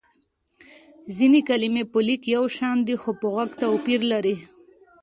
ځينې کلمې په ليک يو شان دي خو په غږ توپير لري.